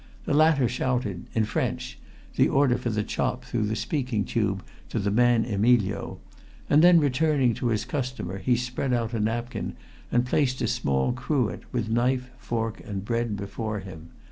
The latter shouted in French the order for the chop through the speaking tube to the man Emilio, and then returning to his customer he spread out a napkin and placed a small cruet, with knife, fork, and bread before him.